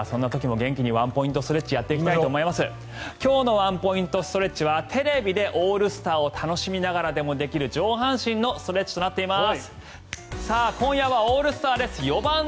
今日のワンポイントストレッチはテレビでオールスターを楽しみながらでもできる上半身のストレッチとなっています。